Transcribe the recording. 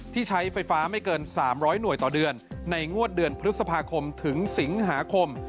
ใช้ไฟฟ้าไม่เกิน๓๐๐หน่วยต่อเดือนในงวดเดือนพฤษภาคมถึงสิงหาคม